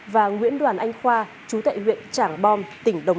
và nguyễn đoàn anh khoa trú tại tỉnh bình dương